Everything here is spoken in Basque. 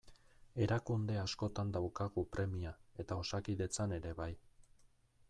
Erakunde askotan daukagu premia eta Osakidetzan ere bai.